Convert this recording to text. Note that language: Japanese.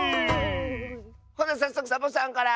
ほなさっそくサボさんから！